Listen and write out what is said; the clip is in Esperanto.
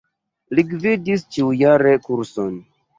Li gvidis ĉiujare kurson.